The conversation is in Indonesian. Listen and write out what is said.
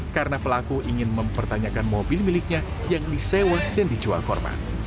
karena pelaku ingin mempertanyakan mobil miliknya yang disewa dan dicual korban